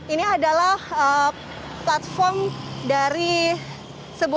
ini adalah platform dari sebuah